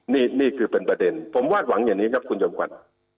นี่คือเป็นประเด็นผมวาดหวังอย่างนี้ครับคุณจอมขวัญ